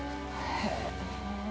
へえ。